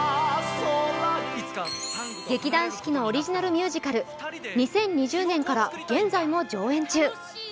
劇団四季のオリジナルミュージカル、２０２０年から現在も上演中。